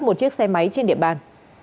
một chiếc xe máy trên địa bàn